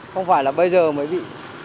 không phải là bây giờ mới bị